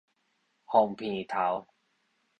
鳳鼻頭